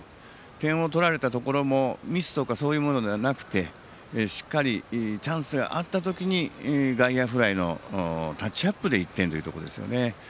点を取られたところもミスとかそういうものではなくてしっかりチャンスがあった時に外野フライのタッチアップで１点ということですね。